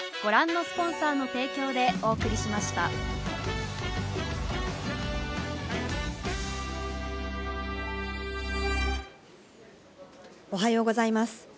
２人はおはようございます。